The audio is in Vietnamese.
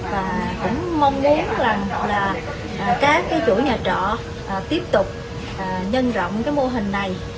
và cũng mong muốn các chủ nhà trọ tiếp tục nhân rộng mô hình này